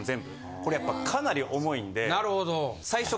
これやっぱかなり重いんで。